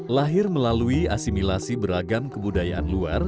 lahir melalui asimilasi beragam kebudayaan luar